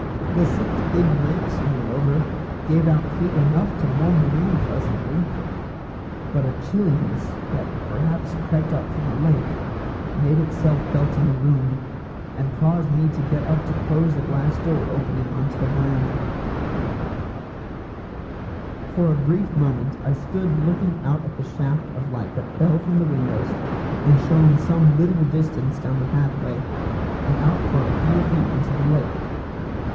The six big lamps, moreover, gave out heat enough to warm the room pleasantly. But a chilliness, that perhaps crept up from the lake, made itself felt in the room, and caused me to get up to close the glass door opening on to the verandah. For a brief moment I stood looking out at the shaft of light that fell from the windows and shone some little distance down the pathway, and out for a few feet into the lake.